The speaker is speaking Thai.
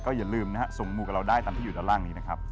อย่าลืมนะฮะส่งมูกับเราได้ตามที่อยู่ด้านล่างนี้นะครับ